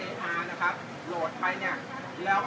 สวัสดีครับ